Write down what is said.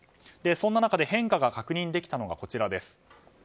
そんな中で変化が確認できたのがこちらです。